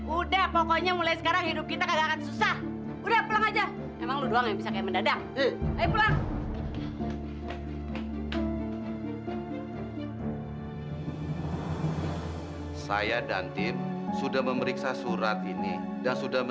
udah pokoknya mulai sekarang hidup kita kagak akan susah